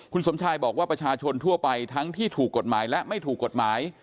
คุณสมชายบอกว่าประชาชนทั่วไปทั้งที่ถูกกฎหมายและไม่ถูกกฎหมาย